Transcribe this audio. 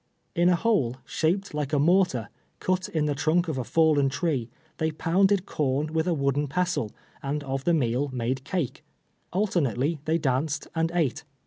In a hole, sliaj>ed like a mortar, cut in the trunk of a falK'n tree, they pounded corn with a wooden pestle, and of the meal made cake. Alternately they danced and ate.